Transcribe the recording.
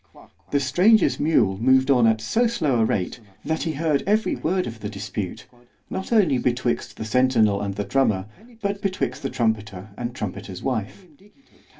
The stranger's mule moved on at so slow a rate, that he heard every word of the dispute, not only betwixt the centinel and the drummer, but betwixt the trumpeter and trumpeter's wife.